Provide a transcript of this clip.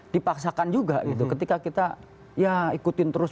dipaksakan juga gitu ketika kita ya ikutin terus